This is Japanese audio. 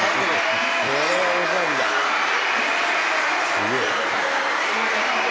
「」「」すげえ。